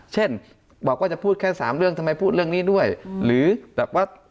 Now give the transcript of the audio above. เช่นบอกว่าจะพูดแค่๓เรื่องทำไมพูดเรื่องนี้ด้วยหรือแบบว่า